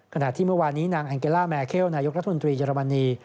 ขณะที่เมื่อวานนี้นางแองเกล่าแมเคลนายกรัฐมนตรีเยอรมนี